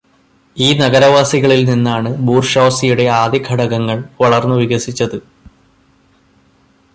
ഈ നഗരവാസികളിൽ നിന്നാണു് ബൂർഷ്വാസിയുടെ ആദ്യഘടകങ്ങൾ വളർന്നുവികസിച്ചതു്.